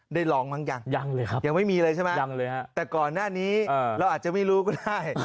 ได้ลองบ้างยังยังไม่มีเลยใช่ไหมแต่ก่อนหน้านี้เราอาจจะไม่รู้ก็ได้